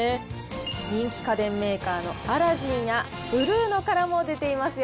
人気家電メーカーのアラジンやブルーノからも出ていますよ。